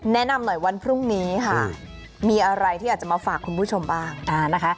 แนะนำหน่อยวันพรุ่งนี้ค่ะมีอะไรที่อยากจะมาฝากคุณผู้ชมบ้างนะคะ